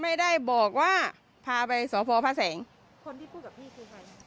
ไม่ได้บอกว่าพาไปสพพระแสงคนที่พูดกับพี่คือใคร